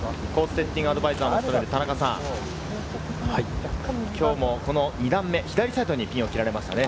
セッティングアドバイザーも務める田中さん、今日も２段目、左サイドにピンが切られましたね。